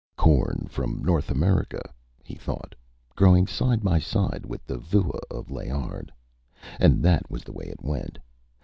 Corn from North America, he thought, growing side by side with the vua of Layard. And that was the way it went.